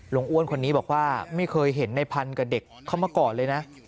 อ้วนคนนี้บอกว่าไม่เคยเห็นในพันธุ์กับเด็กเข้ามาก่อนเลยนะ